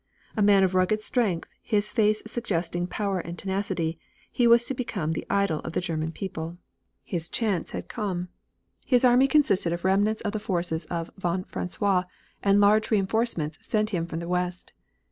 A man of rugged strength, his face suggesting power and tenacity, he was to become the idol of the German people. His chance had come. His army consisted of remnants of the forces of von Francois and large reinforcements sent him from the west.